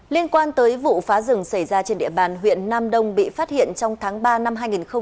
liên quan tới vụ phá rừng xảy ra trên địa bàn huyện nam đông bị phát hiện trong tháng ba năm hai nghìn hai mươi ba